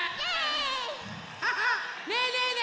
ねえねえね